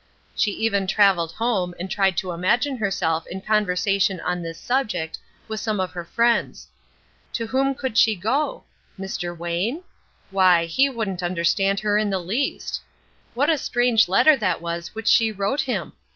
She even traveled home and tried to imagine herself in conversation on this subject with some of her friends. To whom could she go? Mr. Wayne? Why, he wouldn't understand her in the least. What a strange letter that was which she wrote him!